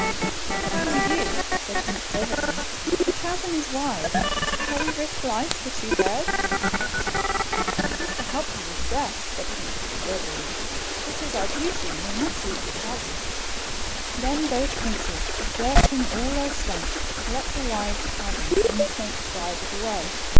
What shall we do ?" said Prince Silver tongue ; the chasm is wide ; shall we risk life for two birds ?" It is to help the distressed," said Prince Kesolute ; it is our duty, and we must leap the chasm." Then both princes, exerting all their strength, leaped the wide chasm, and the snakes glided away.